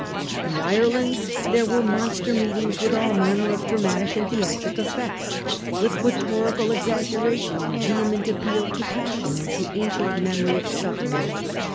In Ireland there were monster meetings with all manner of dramatic and theatric effects ; with rhetorical exaggeration and vehement appeal to passion and to ancient memory of suffering.